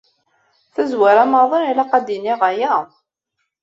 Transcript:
Tazwara maḍi, ilaq ad d-iniɣ aya.